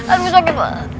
aduh sakit banget